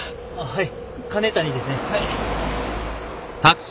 はい。